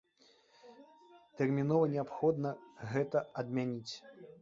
Тэрмінова неабходна гэта адмяніць!